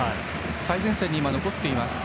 最前線に今残っています。